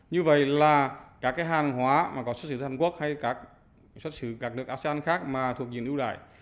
như vậy là các hàn hóa có xuất sử hàn quốc hay các nước asean khác thuộc diện ưu đại